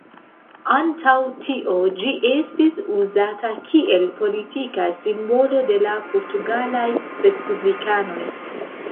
Antaŭ tio ĝi estis uzata kiel politika simbolo de la portugalaj respublikanoj.